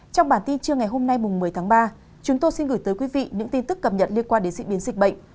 trong bản tin trưa ngày hôm nay một mươi tháng ba chúng tôi xin gửi tới quý vị những tin tức cập nhật liên quan đến diễn biến dịch bệnh